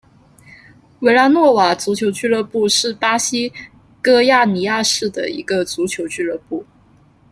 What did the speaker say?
维拉诺瓦足球俱乐部是巴西戈亚尼亚市的一个足球俱乐部。